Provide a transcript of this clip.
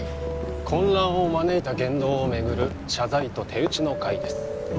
混乱を招いた言動をめぐる謝罪と手打ちの会です